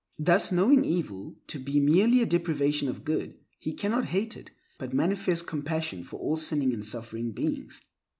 Thus, knowing evil to be merely a depravation of good, he cannot hate it, but manifests compassion for all sinning and suffering beings.